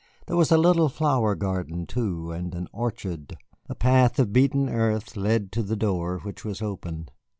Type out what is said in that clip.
There was a little flower garden, too, and an orchard. A path of beaten earth led to the door, which was open.